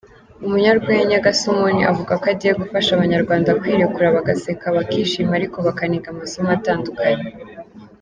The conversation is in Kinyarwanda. Umunyarwenya Gasumuni avuga ko agiye gufasha Abanyarwanda kwirekura bagaseka bakishima ariko bakaniga amasomo atandukanye.